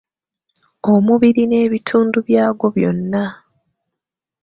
Omubiri n'ebitundu byagwo byonna.